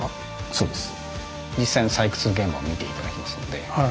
そうです。